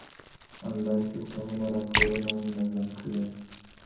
انلاين سيستمونه راپورونه منظم کوي.